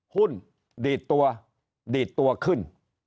ดีดตัวดีดตัวขึ้น